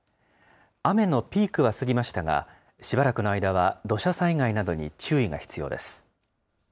雨のピークは過ぎましたが、しばらくの間は土砂災害などに注意が必要です。